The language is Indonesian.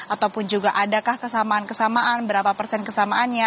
ataupun juga adakah kesamaan kesamaan berapa persen kesamaannya